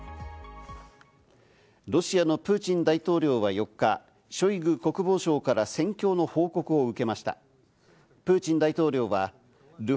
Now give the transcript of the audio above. ロシアのプーチン大統領は４日、ショイグ国防相から戦況の報告を受けました。